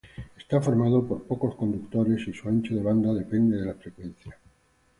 Está formado por pocos conductores y su ancho de banda depende de la frecuencia.